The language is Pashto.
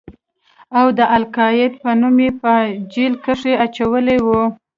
او د القاعده په نوم يې په جېل کښې اچولى و.